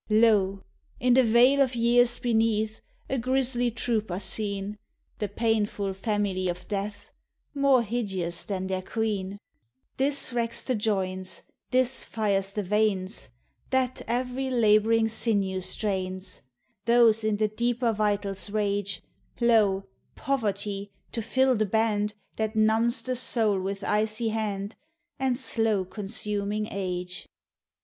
Lo ! in the vale of years beneath A grisly troop are seen. The painful family of death, More hideous than their queen; This racks the joints, this fires the veins, That every laboring sinew strains, Those in the deeper vitals rage: Lo! poverty, to till the band, That numbs the soul with icy hand, And slow consuming age.